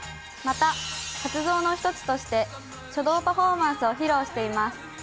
また活動の一つとして書道パフォーマンスを披露しています。